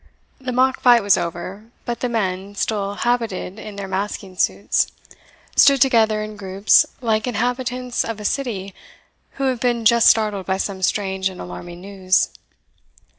The mock fight was over, but the men, still habited in their masking suits, stood together in groups, like the inhabitants of a city who have been just startled by some strange and alarming news.